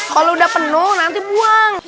kalau udah penuh nanti buang